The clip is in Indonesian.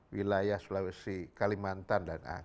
wilayah sulawesi kalimantan dan a